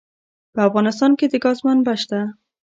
په افغانستان کې د ګاز منابع شته.